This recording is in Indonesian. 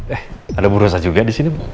eh ada buru rasa juga disini mbak